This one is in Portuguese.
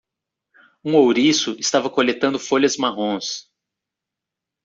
Um ouriço estava coletando folhas marrons.